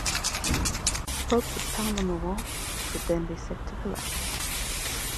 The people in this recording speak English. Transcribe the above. The pope would pound on the wall, which would then be set to collapse.